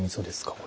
これ。